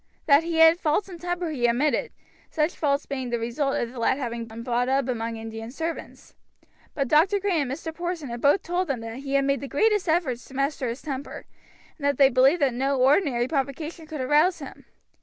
That he had faults in temper he admitted, such faults being the result of the lad having been brought up among Indian servants; but Dr. Green and Mr. Porson had both told them that he had made the greatest efforts to master his temper, and that they believed that no ordinary provocation could arouse him.